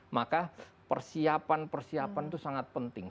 maka persiapan persiapan itu sangat penting